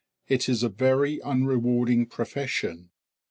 It is a very unrewarding profession.